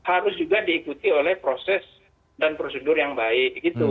harus juga diikuti oleh proses dan prosedur yang baik